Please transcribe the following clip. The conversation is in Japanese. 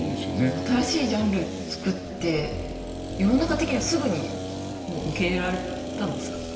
その新しいジャンル作って世の中的にはすぐにもう受け入れられたんですか？